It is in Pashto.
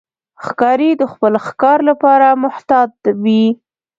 ښکاري د خپل ښکار لپاره محتاط وي.